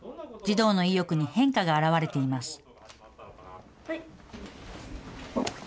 児童の意欲に変化が表れています。